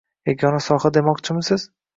yagona soha demoqchimisiz?